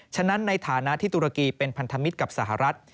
ฉะนั้นในฐานะที่ตุรกีเป็นพันธมิตรกับสหรัฐ